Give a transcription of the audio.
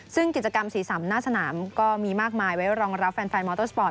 ซึ่งกิจกรรมสีสันหน้าสนามก็มีมากมายไว้รองรับแฟนมอเตอร์สปอร์ต